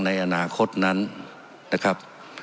ในอนาคตนั้นนะครับ